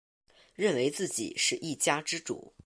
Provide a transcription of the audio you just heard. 认为自己是一家之主